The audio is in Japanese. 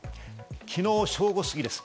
昨日正午過ぎです。